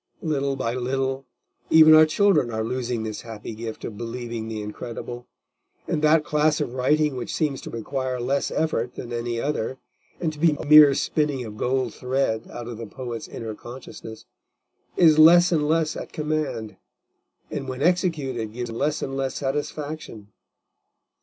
Little by little, even our children are losing this happy gift of believing the incredible, and that class of writing which seems to require less effort than any other, and to be a mere spinning of gold thread out of the poet's inner consciousness, is less and less at command, and when executed gives less and less satisfaction.